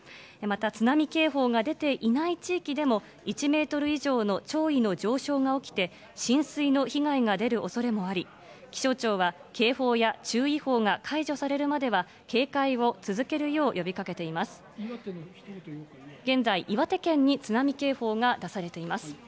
また、津波警報が出ていない地域でも、１メートル以上の潮位の上昇が起きて、浸水の被害が出るおそれもあり、気象庁は警報や注意報が解除されるまでは警戒を続けるよう呼びかけています。